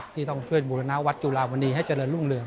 ที่ต้องช่วยบูรณาวัดจุลามณีให้เจริญรุ่งเรือง